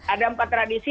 ada empat tradisi